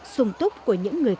sùng túc của những người dân